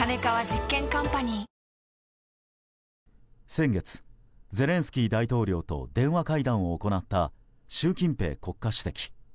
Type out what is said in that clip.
先月、ゼレンスキー大統領と電話会談を行った習近平国家主席。